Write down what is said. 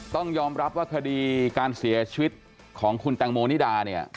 ต้องยอมรับว่าคดีการเสียชีวิตของคุณแตงโมนิดาเนี่ย